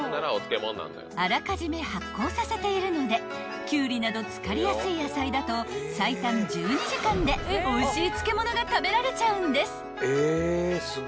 ［あらかじめ発酵させているのでキュウリなど漬かりやすい野菜だと最短１２時間でおいしい漬物が食べられちゃうんです］